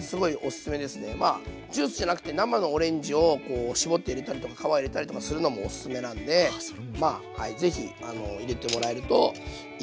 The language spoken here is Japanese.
まあジュースじゃなくて生のオレンジを絞って入れたりとか皮入れたりとかするのもおすすめなんでまあ是非入れてもらえるといいと思います。